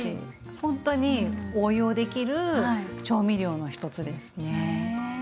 本当に応用できる調味料の一つですね。